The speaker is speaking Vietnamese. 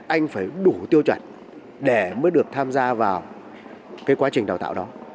anh phải đủ tiêu chuẩn để mới được tham gia vào cái quá trình đào tạo đó